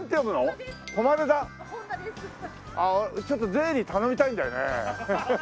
ちょっと税理頼みたいんだよね。